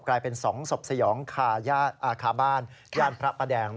กลายเป็น๒ศพสยองคาบ้านย่านพระประแดง